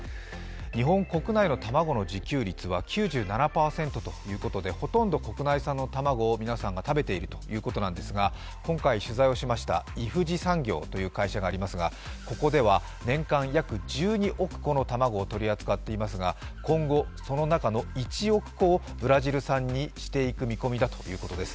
日本国内の卵の自給率は９７％ということでほとんど国内産の卵を皆さんが食べているということで今回取材をしました、イフジ産業という会社がありますがここでは年間約１２億個の卵を取り扱っていますが今後、その中の１億個をブラジル産にしていくということです。